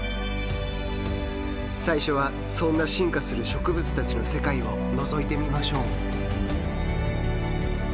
最初はそんな進化する植物たちの世界をのぞいてみましょう。